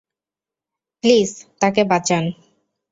Please, তাকে বাঁচান।